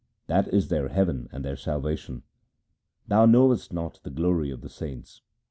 That is their heaven and their salvation. Thou knowest not the glory of the saints.